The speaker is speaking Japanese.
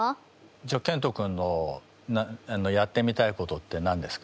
じゃあけんと君のやってみたいことって何ですか？